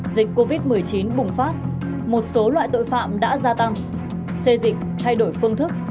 dịch covid một mươi chín bùng phát một số loại tội phạm đã gia tăng xê dịch thay đổi phương thức